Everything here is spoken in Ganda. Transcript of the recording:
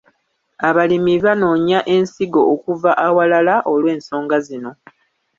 Abalimi banoonya ensigo okuva awalala olw’ensonga zino.